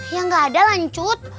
ya gak ada lah ncut